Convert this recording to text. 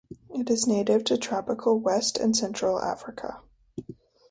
It is native to tropical West and Central Africa.